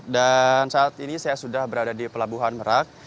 dan saat ini saya sudah berada di pelabuhan merak